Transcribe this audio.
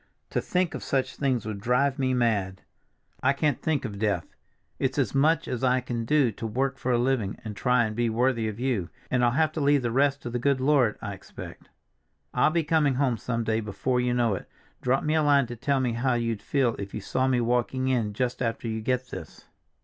To think of such things would drive me mad. I can't think of death. It's as much as I can do to work for a living, and try and be worthy of you, and I'll have to leave the rest to the good Lord, I expect. I'll be coming home some day before you know it—drop me a line to tell me how you'd feel if you saw me walking in just after you get this."